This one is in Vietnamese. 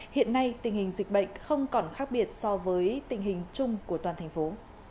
hiện nay tình hình dịch bệnh không còn khác biệt so với tình hình chung của toàn thành phố